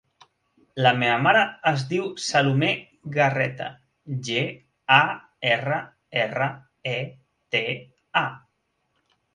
La meva mare es diu Salomé Garreta: ge, a, erra, erra, e, te, a.